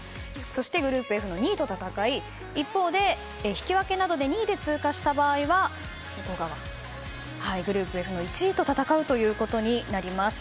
そして、グループＦの２位と戦い一方で引き分けなどで２位で通過した場合は向こう側の黄色。グループＦの１位と戦うということになります。